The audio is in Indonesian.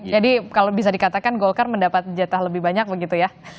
jadi kalau bisa dikatakan golkar mendapat jatah lebih banyak begitu ya